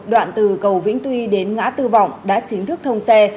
đoạn từ cầu vĩnh tuy đến ngã tư vọng đã chính thức thông xe